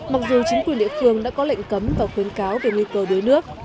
mặc dù chính quyền địa phương đã có lệnh cấm và khuyến cáo về nguy cơ đuối nước